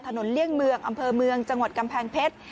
เลี่ยงเมืองอำเภอเมืองจังหวัดกำแพงเพชร